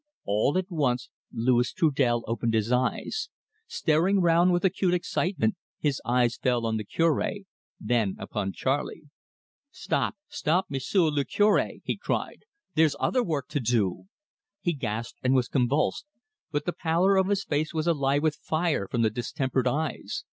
All at once Louis Trudel opened his eyes. Staring round with acute excitement, his eyes fell on the Cure, then upon Charley. "Stop stop, M'sieu' le Cure!" he cried. "There's other work to do." He gasped and was convulsed, but the pallor of his face was alive with fire from the distempered eyes.